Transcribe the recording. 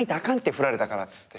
振られたからっつって。